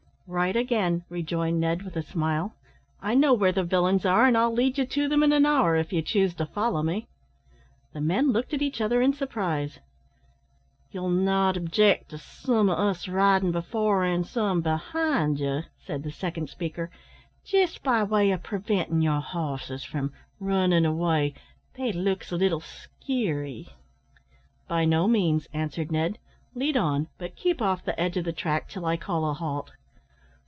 "Right again," rejoined Ned, with a smile. "I know where the villains are, and I'll lead you to them in an hour, if you choose to follow me." The men looked at each other in surprise. "You'll not object to some o' us ridin' before, an' some behind ye!" said the second speaker, "jist by way o' preventin' yer hosses from runnin' away; they looks a little skeary." "By no means," answered Ned, "lead on; but keep off the edge of the track till I call a halt."